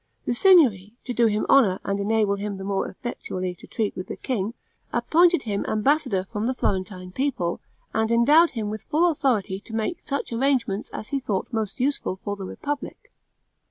The Signory, to do him honor, and enable him the more effectually to treat with the king, appointed him ambassador from the Florentine people, and endowed him with full authority to make such arrangements as he thought most useful for the republic.